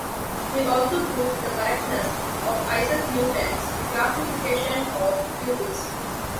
He also proved the correctness of Isaac Newton's classification of cubics.